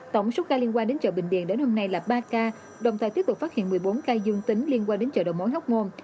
tổng số ca liên quan đến chợ bình điền đến hôm nay là ba ca đồng thời tiếp tục phát hiện một mươi bốn ca dương tính liên quan đến chợ đầu mối hóc môn